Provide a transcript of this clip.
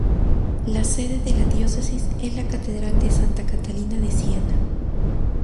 La sede de la Diócesis es la Catedral de Santa Catalina de Siena.